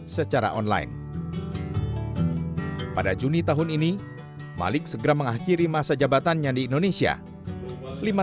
secara online pada juni tahun ini malik segera mengakhiri masa jabatannya di indonesia lima